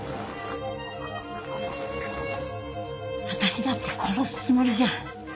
私だって殺すつもりじゃ。